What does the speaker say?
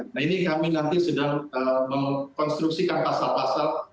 nah ini kami nanti sudah mengkonstruksikan pasal pasal